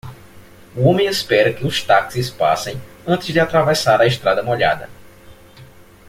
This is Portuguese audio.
O homem espera que os táxis passem antes de atravessar a estrada molhada